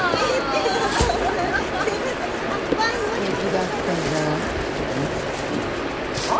すてきだったんだよ。何？